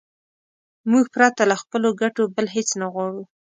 موږ پرته له خپلو ګټو بل هېڅ نه غواړو.